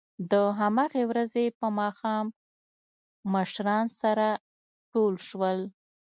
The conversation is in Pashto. د همهغې ورځې په ماښام مشران سره ټول شول